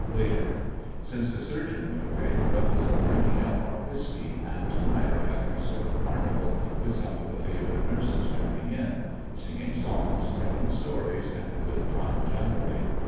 Later— Since the surgeon went away the rebels are drinkins: up our whis key, and to night are having a sort of carnival, with some of the favorite nurses joining in; singing songs, tellinor stories, and a good time generally.